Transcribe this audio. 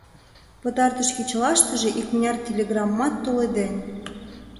Пытартыш кечылаштыже икмыняр телеграммат толеден.